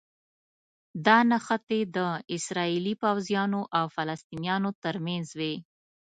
دا نښتې د اسراییلي پوځیانو او فلسطینیانو ترمنځ وي.